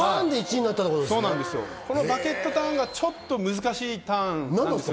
このバケットターンがちょっと難しいターンなんですよ。